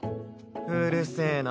うるせぇな。